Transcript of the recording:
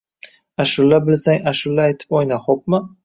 Ashula bilsang, ashula aytib o‘yna, xo‘pmi?